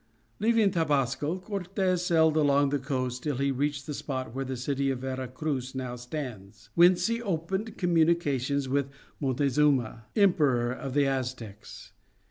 Leaving Tabasco Cortes sailed along the coast till he reached the spot where the city of Vera Cruz now stands, whence he opened communications with Montezuma, Emperor of the Aztecs.